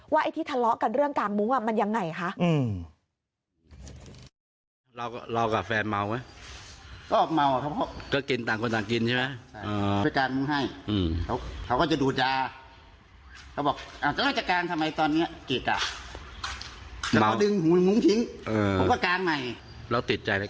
ไอ้ที่ทะเลาะกันเรื่องกางมุ้งมันยังไงคะ